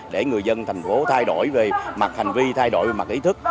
để người dân thành phố thay đổi về mặt hành vi thay đổi về mặt ý thức